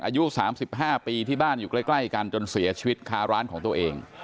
อายุ๓๕ปีที่บ้านอยู่ใกล้กันจนเสียชีวิตค้าร้านของตัวเอง